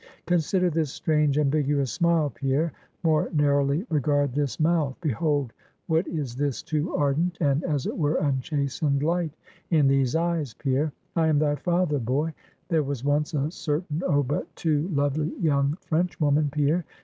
Consider this strange, ambiguous smile, Pierre; more narrowly regard this mouth. Behold, what is this too ardent and, as it were, unchastened light in these eyes, Pierre? I am thy father, boy. There was once a certain, oh, but too lovely young Frenchwoman, Pierre.